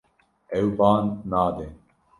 Ew ba nade.